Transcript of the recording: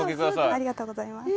ありがとうございます。